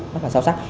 rất là sâu sắc